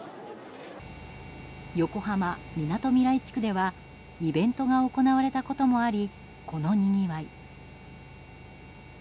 横浜・みなとみらい地区ではイベントが行われたこともありこのにぎわい。